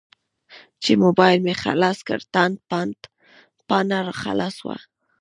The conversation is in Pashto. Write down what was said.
چې موبایل مې خلاص کړ تاند پاڼه خلاصه وه.